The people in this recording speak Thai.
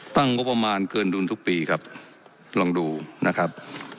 ตั้งงบประมาณเกินดุลทุกปีครับลองดูนะครับ